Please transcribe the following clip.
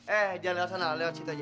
eh jalan lewat sana lewat situ aja